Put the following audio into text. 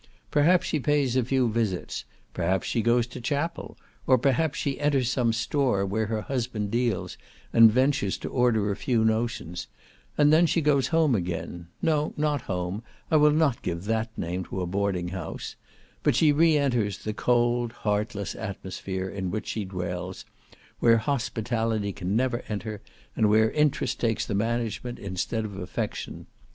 Perhaps she pays a few visits; perhaps she goes to chapel; or, perhaps, she enters some store where her husband deals, and ventures to order a few notions; and then she goes home again—no, not home—I will not give that name to a boarding house—but she re enters the cold heartless atmosphere in which she dwells, where hospitality can never enter, and where interest takes the management instead of affection.